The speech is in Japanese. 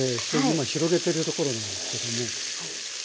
今広げてるところなんですけども。